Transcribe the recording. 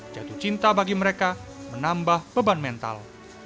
jatuh cinta bagi mereka menambah beban mental